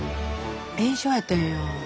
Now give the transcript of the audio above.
炎症やったんや。